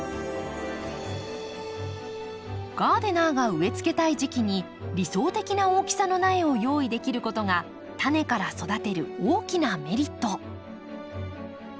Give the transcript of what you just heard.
ガーデナーが植えつけたい時期に理想的な大きさの苗を用意できることがタネから育てる大きなメリット。